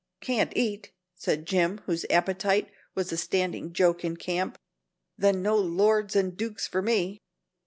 "Can't eat!" said Jim, whose appetite was a standing joke in camp; "then no lords and dukes for me."